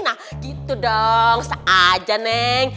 nah gitu dong sengaja neng